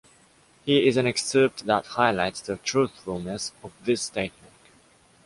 Here is an excerpt that highlights the truthfulness of this statement.